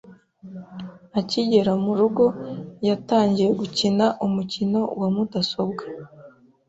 Akigera mu rugo, yatangiye gukina umukino wa mudasobwa.